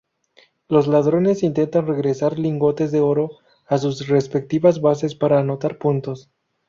Los ladrones intentan regresar lingotes de oro a sus respectivas bases para anotar puntos.